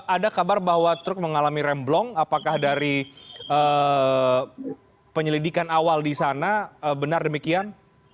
ada kabar bahwa truk mengalami remblong apakah dari penyelidikan awal di sana benar demikian